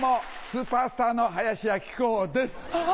スーパースターの林家木久扇です。